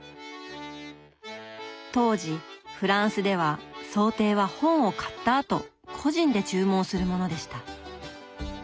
当時フランスでは装丁は本を買ったあと個人で注文するものでした。